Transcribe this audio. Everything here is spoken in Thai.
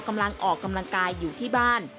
กำลังออกกำลังกายอยู่ที่บ้าน